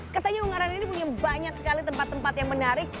katanya ungaran ini punya banyak sekali tempat tempat yang menarik